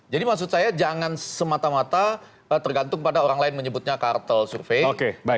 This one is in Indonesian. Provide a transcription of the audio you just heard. jadi maksud saya jangan semata mata tergantung pada orang lain menyebutnya kartel survei